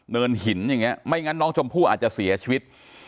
หินอย่างนี้ไม่งั้นน้องชมพู่อาจจะเสียชีวิต